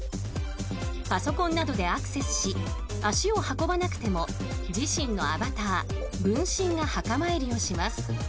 パソコンなどでアクセスし足を運ばなくても自身のアバター、分身が墓参りをします。